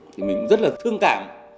thì mình rất là thương cảm